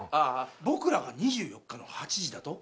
僕らが２４日の８時だと皆さんは？